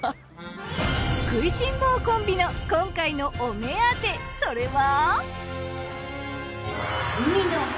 食いしん坊コンビの今回のお目当てそれは。